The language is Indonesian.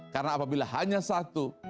karena apabila hanya satu